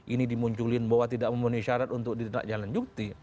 ini dimunculin bahwa tidak memenuhi syarat untuk ditindak jalan jukti